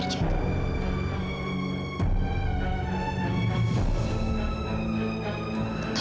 apa yang terjadi